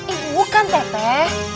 eh bukan teteh